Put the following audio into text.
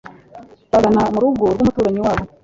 bagana mu rugo rw'umuturanyi wabo